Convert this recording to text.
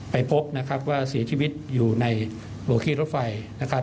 ไปพบนะครับว่าเสียชีวิตอยู่ในโลขี้รถไฟนะครับ